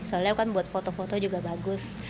soalnya kan buat foto foto juga bagus